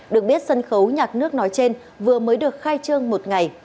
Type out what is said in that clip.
được biết sân khấu nhạc nước nói trên vừa mới được khai trương một ngày